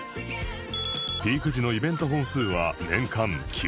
ピーク時のイベント本数は年間９０００件